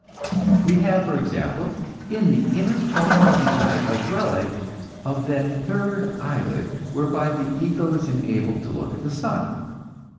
We have, for example, in the inner corner of the eye a relic of that third eyelid whereby the eagle is enabled to look at the sun.